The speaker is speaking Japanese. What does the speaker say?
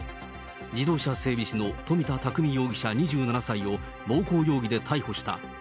自動車整備士の冨田拓巳容疑者２７歳を、暴行容疑で逮捕した。